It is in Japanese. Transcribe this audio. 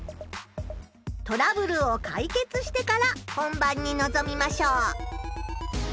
トラブルをかいけつしてから本番にのぞみましょう。